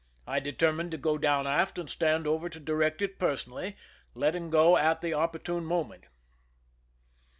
I determined to go down aft and stand over to direct it personally, letting go at the oppor tune moment.